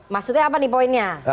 maksudnya apa nih poinnya